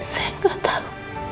saya nggak tahu